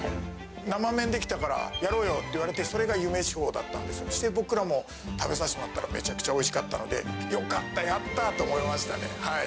生麺できたから、やろうよって言われて、それがユメシホウだったんです、そして僕らも食べさせてもらったら、めちゃくちゃおいしかったので、よかった、やったーと思いましたね。